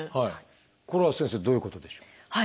これは先生どういうことでしょう？